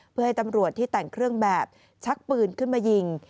เพื่อให้ตำรวจที่แต่งเครื่องแบบชักปืนขึ้นมายิง